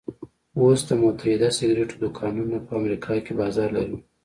اوس د متحده سګرېټو دوکانونه په امريکا کې بازار لري.